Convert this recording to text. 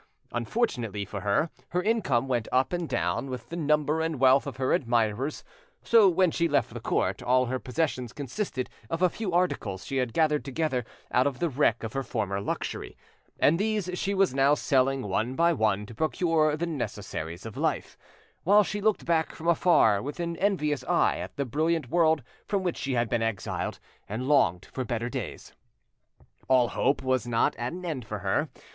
Unfortunately for her, her income went up and down with the number and wealth of her admirers, so when she left the court all her possessions consisted of a few articles she had gathered together out of the wreck of her former luxury, and these she was now selling one by one to procure the necessaries of life, while she looked back from afar with an envious eye at the brilliant world from which she had been exiled, and longed for better days. All hope was not at an end for her.